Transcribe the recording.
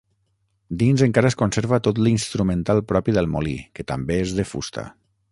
Dins encara es conserva tot l'instrumental propi del molí, que també és de fusta.